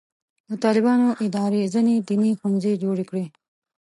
د طالبانو ادارې ځینې دیني ښوونځي جوړ کړي.